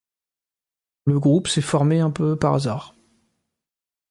Le groupe s'est formé un peu par hasard.